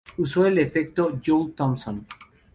Usó el efecto Joule-Thomson.